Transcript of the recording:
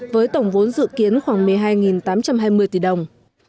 với tổng vốn dự kiến khoảng một mươi hai tám trăm hai mươi tỷ đồng